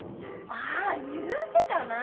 ああ言うてたな。